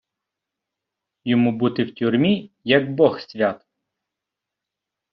Йому бути в тюрмі як бог свят.